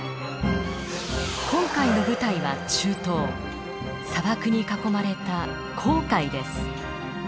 今回の舞台は中東砂漠に囲まれた紅海です。